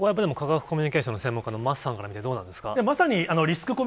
やっぱり科学コミュニケーション専門家の桝さんから見てどうなんですか？